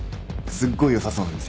すっごいよさそうな店。